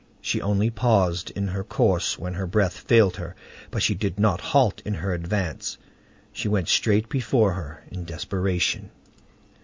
She only paused in her course when her breath failed her; but she did not halt in her advance. She went straight before her in desperation.